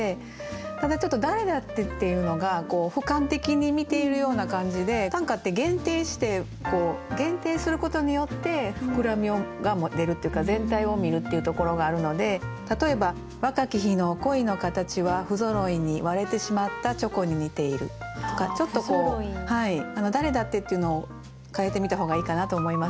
ただちょっと「誰だって」っていうのがふかん的に見ているような感じで短歌って限定して限定することによって膨らみも出るっていうか全体を見るっていうところがあるので例えば「若き日の恋の形はふぞろいに割れてしまったチョコに似ている」とかちょっとこう「誰だって」っていうのを変えてみた方がいいかなと思います。